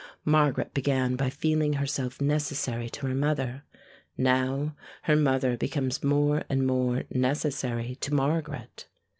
Margaret began by feeling herself necessary to her mother; now her mother becomes more and more necessary to Margaret.